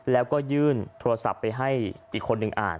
แล้วก็ยื่นโทรศัพท์ไปให้อีกคนหนึ่งอ่าน